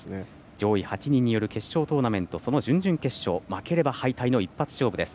上位８人による決勝トーナメントの準々決勝負ければ敗退の一発勝負です。